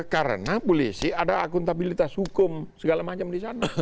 karena polisi ada akuntabilitas hukum segala macam di sana